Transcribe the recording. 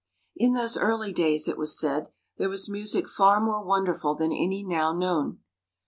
In those early days, it was said, there was music far more wonderful than any now known.